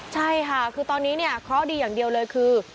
ใช่ค่ะคือตอนนี้เนี่ยเคราะห์ดีอย่างเดียวเลยคือ